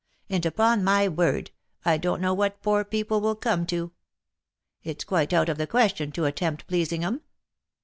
And, upon my word, I don't know what poor people will come to ! It's quite out of the question to attempt pleasing 'em.